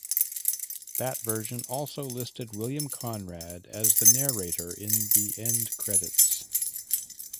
That version also listed William Conrad as the narrator in the end credits.